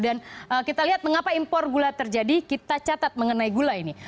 dan kita lihat mengapa impor gula terjadi kita catat mengenai gula ini